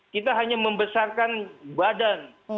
kita hanya membesarkan badan